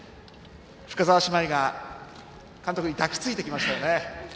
深澤姉妹が監督に抱きついてきましたよね。